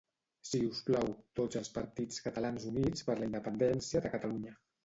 Si us plau tots els partits catalans units per la independència de Catalunya